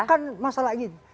bukan masalah ini